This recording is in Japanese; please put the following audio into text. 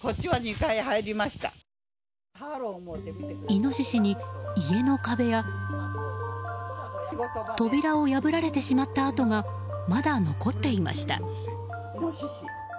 イノシシに家の壁や扉を破られてしまった跡がまだ残っていました。